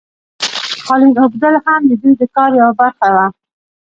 قالین اوبدل هم د دوی د کار یوه برخه وه.